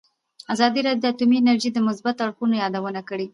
ازادي راډیو د اټومي انرژي د مثبتو اړخونو یادونه کړې.